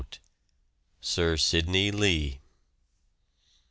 SIR SIDNEY LEE.